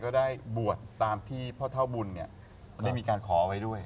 ได้บวชตามที่พ่อเท่าบุญเนี่ยได้มีการขอไว้ด้วย